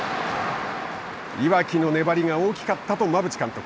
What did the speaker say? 岩城の粘りが大きかったと馬淵監督。